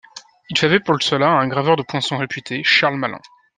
Il fait appel pour cela à un graveur de poinçons réputé, Charles Malin.